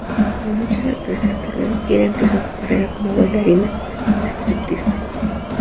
Como muchas actrices porno, Kira empieza su carrera como bailarina de striptease.